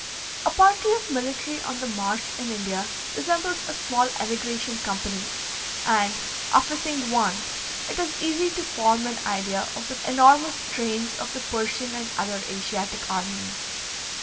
A party of military on the march in India resembles a small emigration company; and, after seeing one, it is easy to form an idea of the enormous trains of the Persian and other Asiatic armies.